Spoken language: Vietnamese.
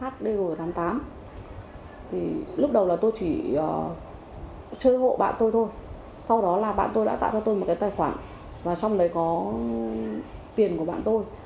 sau đó là bạn tôi đã tạo cho tôi một cái tài khoản và trong đấy có tiền của bạn tôi